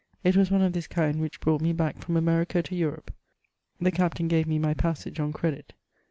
It was one of this kind which brought me back from America to Europe. The captain gave me my passage on credit.